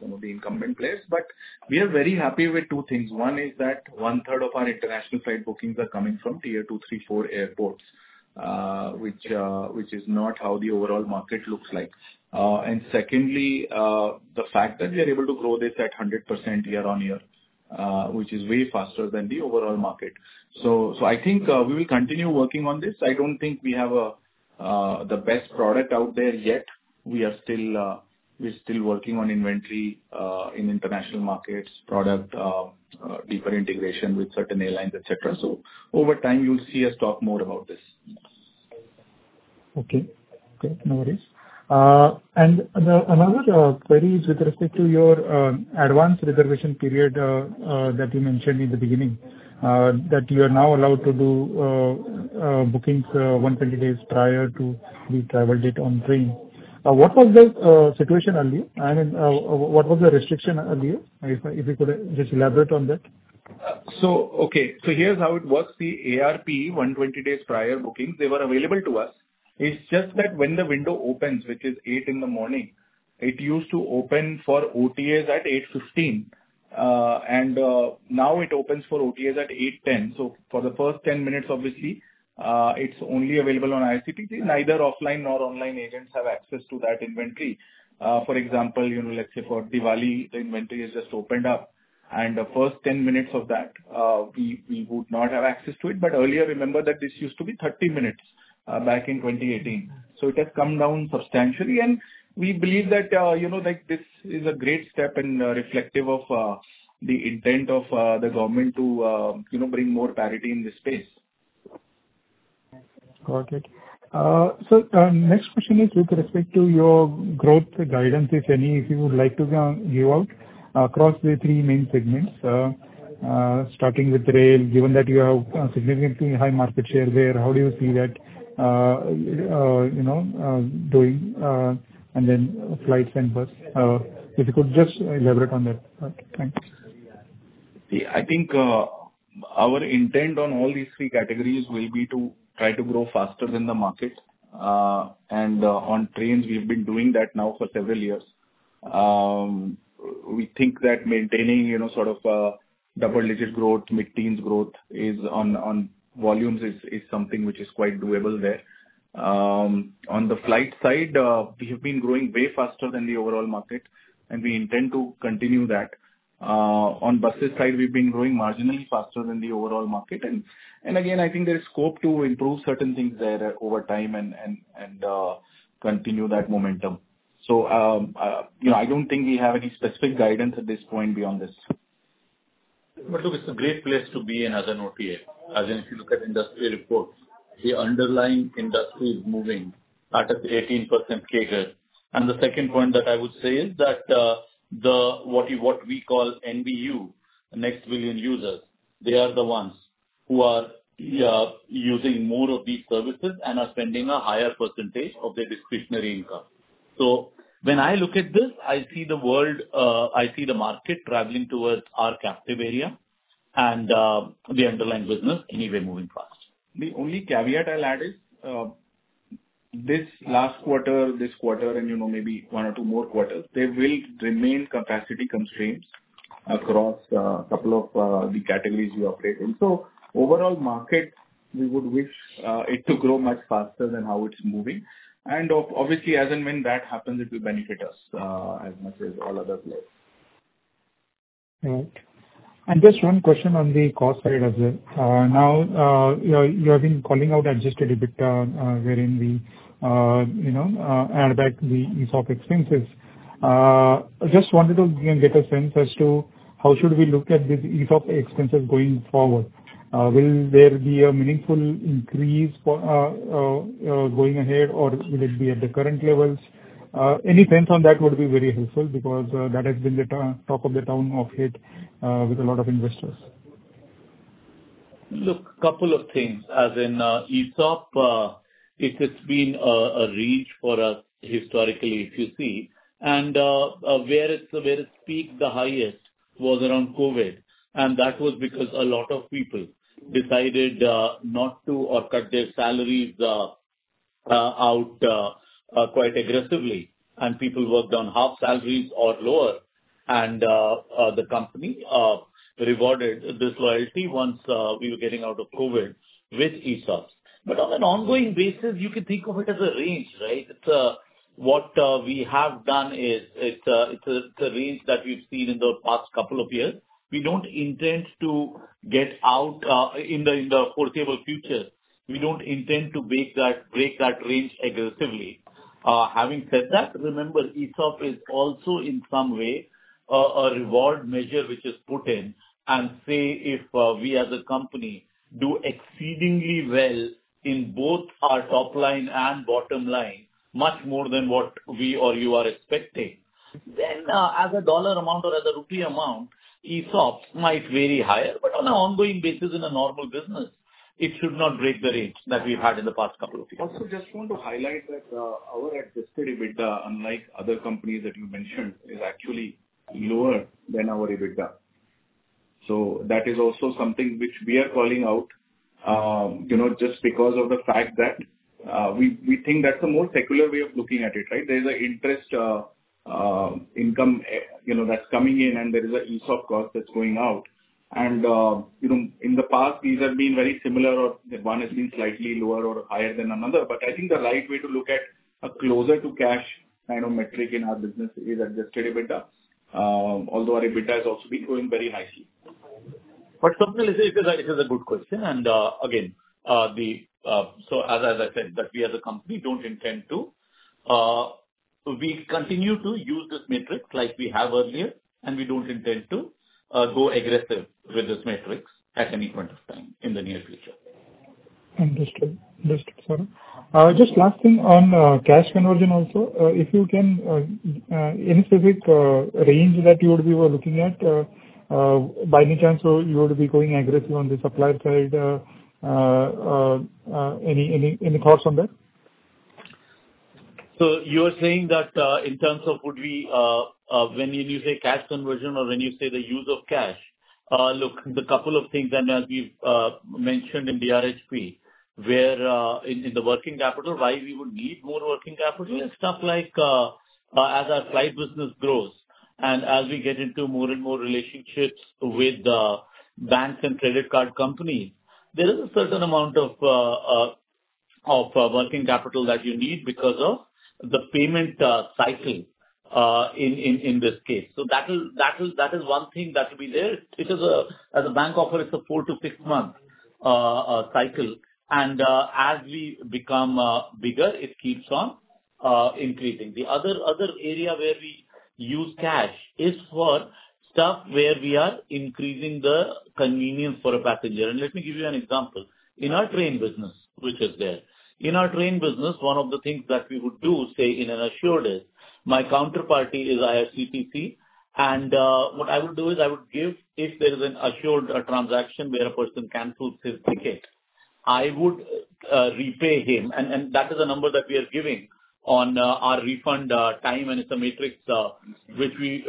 some of the incumbent players. But we are very happy with two things. One is that one-third of our international flight bookings are coming from Tier II, III, IV airports, which is not how the overall market looks like. And secondly, the fact that we are able to grow this at 100% year-on-year, which is way faster than the overall market. So I think we will continue working on this. I don't think we have the best product out there yet. We are still working on inventory in international markets, product deeper integration with certain airlines, etc. So over time, you'll see us talk more about this. Okay. Okay. No worries. Another query is with respect to your Advance Reservation Period that you mentioned in the beginning, that you are now allowed to do bookings 120 days prior to the travel date on train. What was the situation earlier? I mean, what was the restriction earlier? If you could just elaborate on that. So okay. So here's how it works. The ARP, 120 days prior bookings, they were available to us. It's just that when the window opens, which is 8:00 A.M., it used to open for OTAs at 8:15 A.M. And now it opens for OTAs at 8:10 A.M. So for the first 10 minutes, obviously, it's only available on IRCTC. Neither offline nor online agents have access to that inventory. For example, let's say for Diwali, the inventory has just opened up. And the first 10 minutes of that, we would not have access to it. But earlier, remember that this used to be 30 minutes back in 2018. So it has come down substantially. And we believe that this is a great step and reflective of the intent of the government to bring more parity in this space. Got it. Next question is with respect to your growth guidance, if any, if you would like to give out across the three main segments, starting with rail, given that you have significantly high market share there, how do you see that doing? And then flights and bus. If you could just elaborate on that part. Thanks. See, I think our intent on all these three categories will be to try to grow faster than the market. On trains, we've been doing that now for several years. We think that maintaining sort of double-digit growth, mid-teens growth on volumes is something which is quite doable there. On the flight side, we have been growing way faster than the overall market, and we intend to continue that. On bus side, we've been growing marginally faster than the overall market. Again, I think there is scope to improve certain things there over time and continue that momentum. So I don't think we have any specific guidance at this point beyond this. But look, it's a great place to be in as an OTA. As in, if you look at industry reports, the underlying industry is moving at an 18% CAGR. The second point that I would say is that what we call NBU, Next Billion Users, they are the ones who are using more of these services and are spending a higher percentage of their discretionary income. When I look at this, I see the world, I see the market traveling towards our captive area and the underlying business anyway moving fast. The only caveat I'll add is this last quarter, this quarter, and maybe one or two more quarters, there will remain capacity constraints across a couple of the categories we operate in. Overall market, we would wish it to grow much faster than how it's moving. And obviously, as and when that happens, it will benefit us as much as all other players. Right. Just one question on the cost side as well. Now, you have been calling out at just a little bit wherein we add back the ESOP expenses. Just wanted to get a sense as to how should we look at these ESOP expenses going forward? Will there be a meaningful increase going ahead, or will it be at the current levels? Any sense on that would be very helpful because that has been the talk of the town of late with a lot of investors. Look, a couple of things. As in ESOP, it has been a reach for us historically, if you see. And where it peaked the highest was around COVID. And that was because a lot of people decided not to or cut their salaries out quite aggressively. And people worked on half salaries or lower. And the company rewarded this loyalty once we were getting out of COVID with ESOPs. But on an ongoing basis, you can think of it as a range, right? What we have done is it's a range that we've seen in the past couple of years. We don't intend to get out in the foreseeable future. We don't intend to break that range aggressively. Having said that, remember, ESOP is also in some way a reward measure which is put in. Say if we as a company do exceedingly well in both our top line and bottom line, much more than what we or you are expecting, then as a dollar amount or as a rupee amount, ESOPs might vary higher. On an ongoing basis, in a normal business, it should not break the range that we've had in the past couple of years. Also, just want to highlight that our existing EBITDA, unlike other companies that you mentioned, is actually lower than our EBITDA. That is also something which we are calling out just because of the fact that we think that's the more secular way of looking at it, right? There is an interest income that's coming in, and there is an ESOP cost that's going out. In the past, these have been very similar, or one has been slightly lower or higher than another. But I think the right way to look at a closer-to-cash kind of metric in our business is Adjusted EBITDA, although our EBITDA has also been growing very nicely. But it is a good question. Again, so as I said, that we as a company don't intend to. We continue to use this metric like we have earlier, and we don't intend to go aggressive with this metric at any point of time in the near future. Understood. Understood. Sorry. Just last thing on cash conversion also. If you can, any specific range that you would be looking at by any chance, so you would be going aggressive on the supplier side? Any thoughts on that? So you are saying that in terms of when you say cash conversion or when you say the use of cash, look, the couple of things that we've mentioned in DRHP where in the working capital, why we would need more working capital is stuff like as our flight business grows and as we get into more and more relationships with banks and credit card companies, there is a certain amount of working capital that you need because of the payment cycle in this case. So that is one thing that will be there. As a bank offer, it's a 4-6-month cycle. And as we become bigger, it keeps on increasing. The other area where we use cash is for stuff where we are increasing the convenience for a passenger. And let me give you an example. In our train business, one of the things that we would do, say in an assured is my counterparty is IRCTC. And what I would do is I would give if there is an assured transaction where a person cancels his ticket, I would repay him. And that is a number that we are giving on our refund time. And it's a metric which we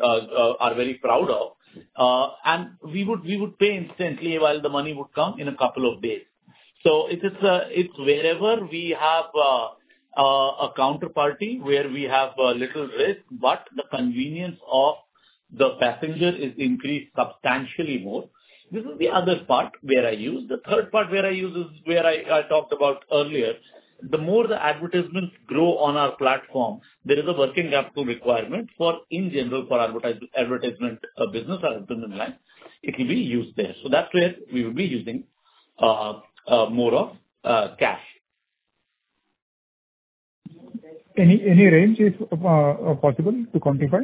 are very proud of. And we would pay instantly while the money would come in a couple of days. So it's wherever we have a counterparty where we have a little risk, but the convenience of the passenger is increased substantially more. This is the other part where I use. The third part where I use is where I talked about earlier. The more the advertisements grow on our platform, there is a working capital requirement for, in general, for advertisement business as a business line. It will be used there. So that's where we will be using more of cash. Any range is possible to quantify,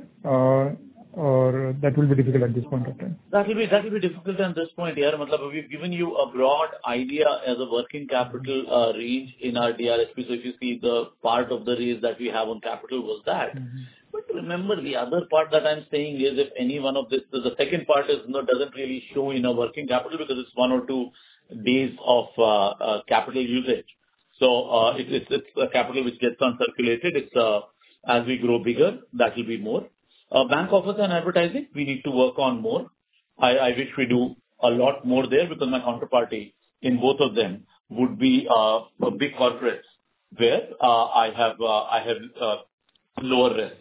or that will be difficult at this point of time? That will be difficult at this point, yeah. We've given you a broad idea as a working capital range in our DRHP. So if you see the part of the range that we have on capital was that. But remember, the other part that I'm saying is if any one of the second part doesn't really show in a working capital because it's one or two days of capital usage. So it's the capital which gets uncirculated. As we grow bigger, that will be more. Bank offers and advertising, we need to work on more. I wish we do a lot more there because my counterparty in both of them would be a big corporate where I have lower risk.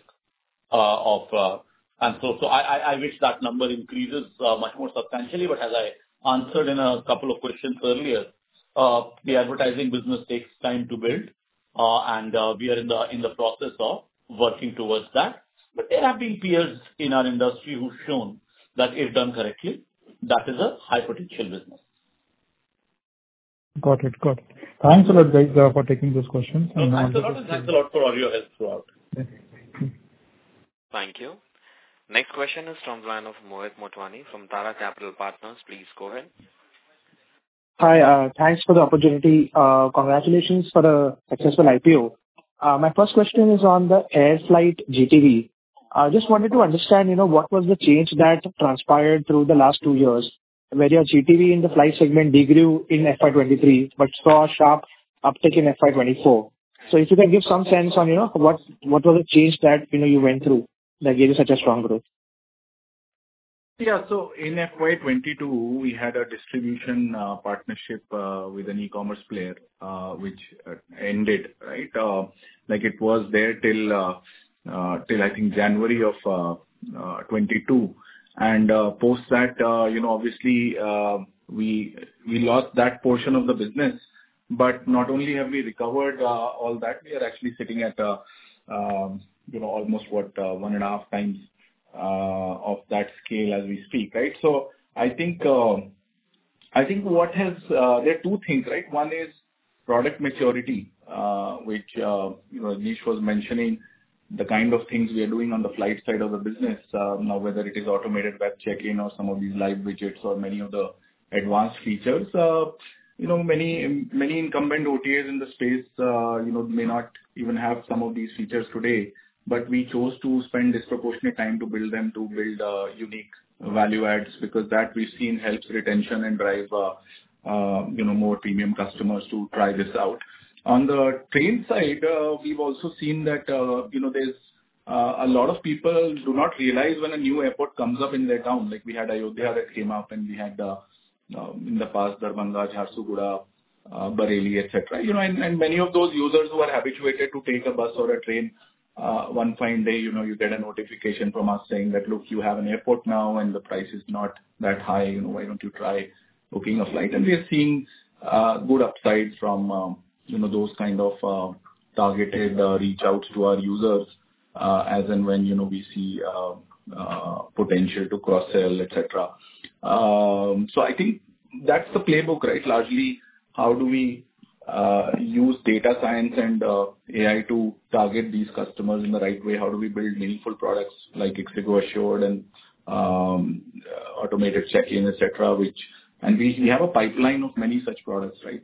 And so I wish that number increases much more substantially. But as I answered in a couple of questions earlier, the advertising business takes time to build. We are in the process of working towards that. There have been peers in our industry who've shown that if done correctly, that is a high-potential business. Got it. Got it. Thanks a lot, guys, for taking those questions. Thanks a lot. Thanks a lot for all your help throughout. Thank you. Next question is from the line of Mohit Motwani from Tara Capital Partners. Please go ahead. Hi. Thanks for the opportunity. Congratulations for a successful IPO. My first question is on the flight GTV. I just wanted to understand what was the change that transpired through the last two years where your GTV in the flight segment degrew in FY 2023 but saw a sharp uptick in FY 2024. So if you can give some sense on what was the change that you went through that gave you such a strong growth? Yeah. So in FY22, we had a distribution partnership with an e-commerce player which ended, right? It was there till, I think, January of 2022. Post that, obviously, we lost that portion of the business. But not only have we recovered all that, we are actually sitting at almost what, 1.5 times of that scale as we speak, right? So I think what has there are two things, right? One is product maturity, which Nish was mentioning, the kind of things we are doing on the flight side of the business, whether it is automated web check-in or some of these live widgets or many of the advanced features. Many incumbent OTAs in the space may not even have some of these features today. But we chose to spend disproportionate time to build them to build unique value adds because that we've seen helps retention and drive more premium customers to try this out. On the train side, we've also seen that there's a lot of people do not realize when a new airport comes up in their town. We had Ayodhya that came up, and we had in the past, Darbhanga, Jharsuguda, Bareilly, etc. And many of those users who are habituated to take a bus or a train, one fine day, you get a notification from us saying that, "Look, you have an airport now, and the price is not that high. Why don't you try booking a flight?" And we are seeing good upsides from those kind of targeted reach-outs to our users as and when we see potential to cross-sell, etc. So I think that's the playbook, right? Largely, how do we use data science and AI to target these customers in the right way? How do we build meaningful products like ixigo Assured and automated check-in, etc.? And we have a pipeline of many such products, right?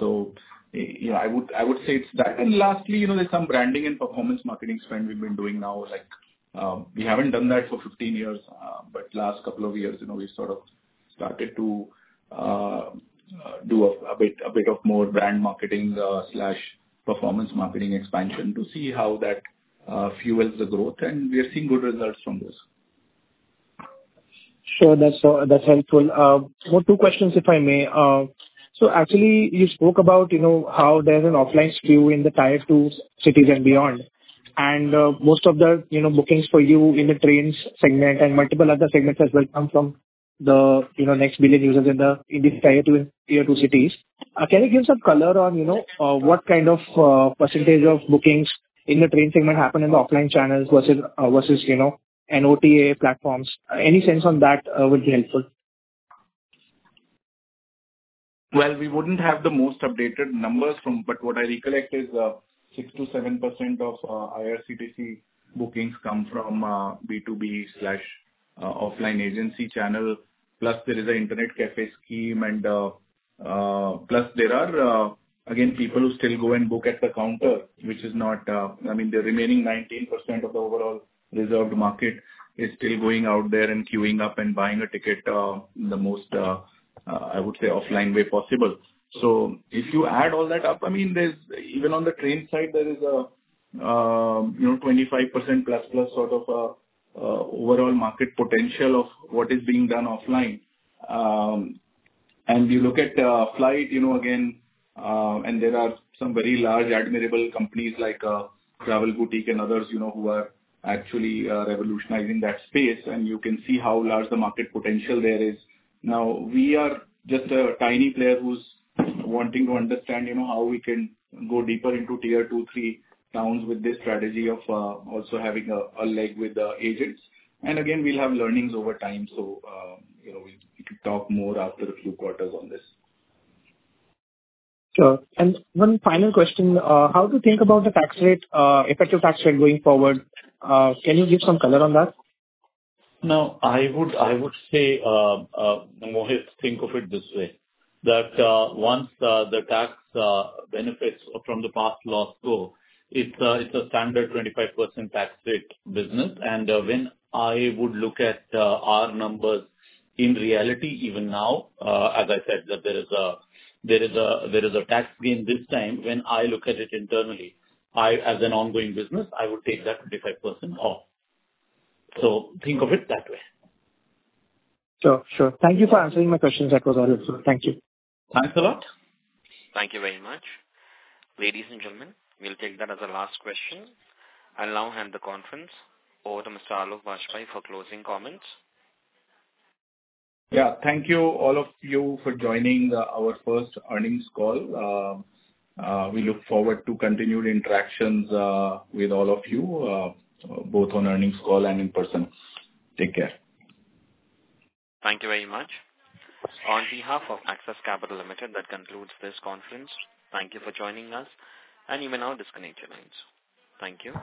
So I would say it's that. And lastly, there's some branding and performance marketing spend we've been doing now. We haven't done that for 15 years, but last couple of years, we sort of started to do a bit of more brand marketing/performance marketing expansion to see how that fuels the growth. And we are seeing good results from this. Sure. That's helpful. Two questions, if I may. So actually, you spoke about how there's an offline skew in the Tier II cities and beyond. And most of the bookings for you in the trains segment and multiple other segments as well come from the next billion users in these Tier II cities. Can you give some color on what kind of percentage of bookings in the train segment happen in the offline channels versus OTA platforms? Any sense on that would be helpful. Well, we wouldn't have the most updated numbers, but what I recollect is 6%-7% of IRCTC bookings come from B2B/offline agency channel. Plus, there is an internet café scheme. And plus, there are, again, people who still go and book at the counter, which is not, I mean, the remaining 19% of the overall reserved market is still going out there and queuing up and buying a ticket in the most, I would say, offline way possible. So if you add all that up, I mean, even on the train side, there is a 25% plus-plus sort of overall market potential of what is being done offline. And you look at flight, again, and there are some very large admirable companies like Travel Boutique and others who are actually revolutionizing that space. And you can see how large the market potential there is. Now, we are just a tiny player who's wanting to understand how we can go deeper into Tier II, III towns with this strategy of also having a leg with the agents. Again, we'll have learnings over time. We can talk more after a few quarters on this. Sure. One final question. How to think about the effective tax rate going forward? Can you give some color on that? Now, I would say, Mohit, think of it this way. That once the tax benefits from the past laws go, it's a standard 25% tax rate business. And when I would look at our numbers in reality, even now, as I said, that there is a tax gain this time, when I look at it internally, as an ongoing business, I would take that 25% off. So think of it that way. Sure. Sure. Thank you for answering my questions. That was all. Thank you. Thanks a lot. Thank you very much. Ladies and gentlemen, we'll take that as a last question. I'll now hand the conference over to Mr. Aloke Bajpai for closing comments. Yeah. Thank you all of you for joining our first earnings call. We look forward to continued interactions with all of you, both on earnings call and in person. Take care. Thank you very much. On behalf of Axis Capital Limited, that concludes this conference. Thank you for joining us. You may now disconnect your lines. Thank you.